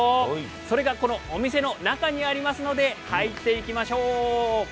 それがこのお店の中にありますので入っていきましょう。